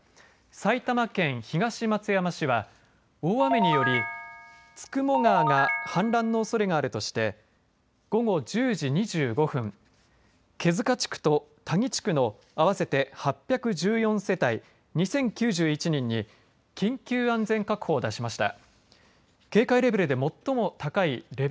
埼玉県東松山市は大雨によりつくも川に氾濫のおそれがあるとして午後１０時２５分毛塚地区と田木地区の合わせて８１４世帯２０９１人に緊急安全確保を出しました。